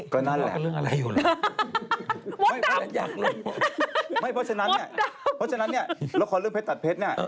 ก็นั่นแหละเพราะฉะนั้นเนี่ยละครเรื่องเพชรตัดเพชรเนี่ย